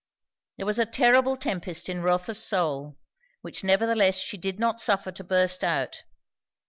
There was a terrible tempest in Rotha's soul, which nevertheless she did not suffer to burst out.